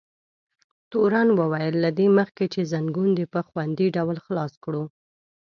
تورن وویل: له دې مخکې چې ځنګون دې په خوندي ډول خلاص کړو.